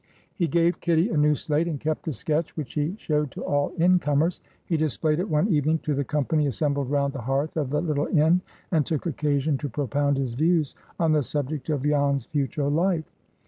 He gave Kitty a new slate, and kept the sketch, which he showed to all in comers. He displayed it one evening to the company assembled round the hearth of the little inn, and took occasion to propound his views on the subject of Jan's future life.